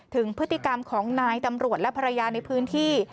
ถึงพฤติกรรมของนายตำรวจและภรรยาในพื้นที่